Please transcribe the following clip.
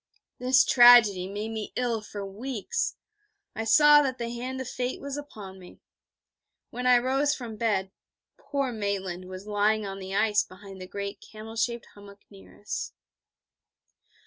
This tragedy made me ill for weeks. I saw that the hand of Fate was upon me. When I rose from bed, poor Maitland was lying in the ice behind the great camel shaped hummock near us.